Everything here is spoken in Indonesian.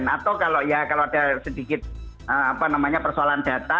atau kalau ya kalau ada sedikit apa namanya persoalan data